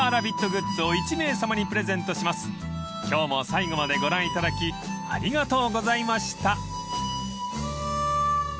［今日も最後までご覧いただきありがとうございました］